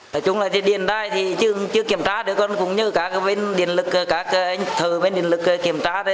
theo thống kê mưa lũ kéo dài đã làm khó khăn